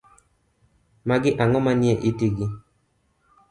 Magi ang'o manie itigi.